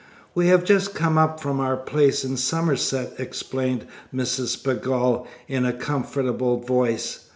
"We have just come up from our place in Somerset," explained Mrs. Pegall, in a comfortable voice.